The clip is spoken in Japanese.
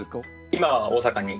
今は大阪に。